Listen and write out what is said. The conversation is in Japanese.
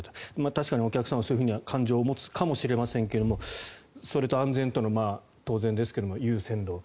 確かにお客さんはそういう感情を持つかもしれませんがそれと安全との当然ですが、優先度。